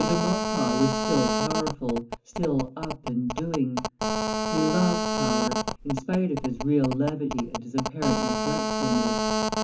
de Maurepas was still powerful, still up and doing; he loved power, in spite of his real levity and his apparent neglectfulness.